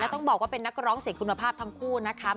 ต้องบอกว่าเป็นนักร้องเสียงคุณภาพทั้งคู่นะครับ